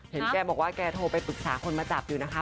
เห็นแกบอกว่าแกโทรไปปรึกษาคนมาจับอยู่นะคะ